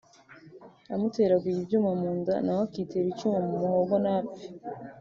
amuteraguye ibyuma mu nda nawe akitera icyuma mu muhogo ntapfe